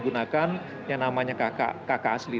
gunakan yang namanya kakak asli